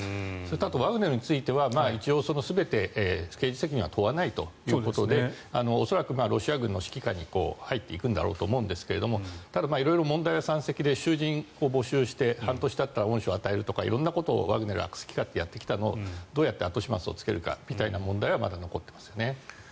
あと、ワグネルについては一応全て刑事責任は問わないということで恐らく、ロシア軍の指揮下に入っていくんだろうと思いますがただ、色々問題が山積で囚人を募集して、半年たったら恩赦を与えるとか色んなことをワグネルが好き勝手やってきたことをどうやって後始末をつけるかみたいな問題はまだ残っていますよね。